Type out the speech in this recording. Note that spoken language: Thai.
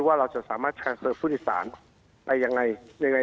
ว่าเราจะสามารถเสิร์ฟผู้โดยสารไปยังไง